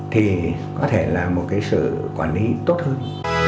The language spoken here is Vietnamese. thì có thể là một cái sự quản lý tốt hơn